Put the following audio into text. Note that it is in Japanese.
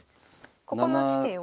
ここの地点を。